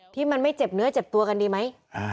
ที่มันไม่เจ็บเนื้อเจ็บตัวกันดีไหม